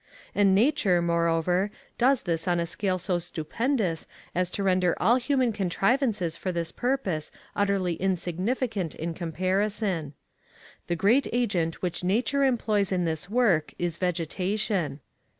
And nature, moreover, does this on a scale so stupendous as to render all human contrivances for this purpose utterly insignificant in comparison. The great agent which nature employs in this work is vegetation.